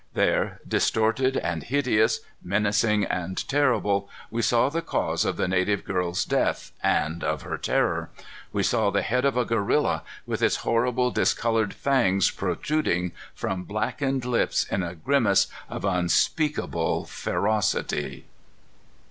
There, distorted and hideous, menacing and terrible, we saw the cause of the native girl's death, and of her terror. We saw the head of a gorilla, with its horrible, discolored fangs protruding from blackened lips in a grimace of unspeakable ferocity.